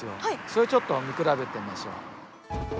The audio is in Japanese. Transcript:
それをちょっと見比べてみましょう。